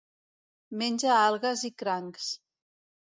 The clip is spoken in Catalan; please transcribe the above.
Menja algues i crancs.